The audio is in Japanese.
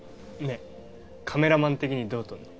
ねえカメラマン的にどう撮るの？